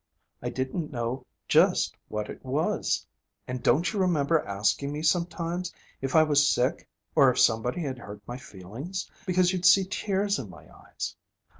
I didn't know just what it was. And don't you remember asking me sometimes if I was sick or if somebody had hurt my feelings, because you'd see tears in my eyes?